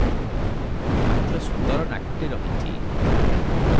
ମାତ୍ର ସୁନ୍ଦର ନାକଟି ରହିଚି ।